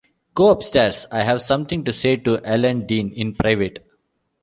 Go upstairs; I have something to say to Ellen Dean in private.